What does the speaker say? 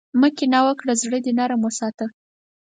مه کینه وکړه، زړۀ دې نرم وساته.